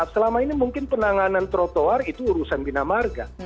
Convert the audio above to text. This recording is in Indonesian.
selama ini mungkin penanganan trotoar itu urusan bina marga